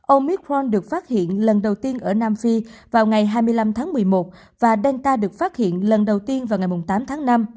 ông micron được phát hiện lần đầu tiên ở nam phi vào ngày hai mươi năm tháng một mươi một và delta được phát hiện lần đầu tiên vào ngày tám tháng năm